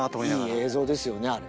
いい映像ですよねあれ。